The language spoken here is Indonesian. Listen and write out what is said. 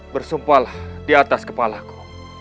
bersumpahlah di atas kepalaku